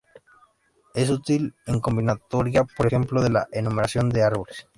Es útil en combinatoria, por ejemplo en la enumeración de árboles.